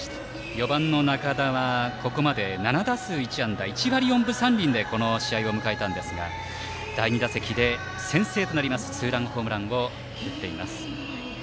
４番の仲田はここまで７打数１安打１割４分３厘でこの試合を迎えたんですが第２打席で先制のツーランホームランを打っています。